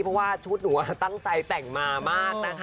เพราะว่าชุดหนูตั้งใจแต่งมามากนะคะ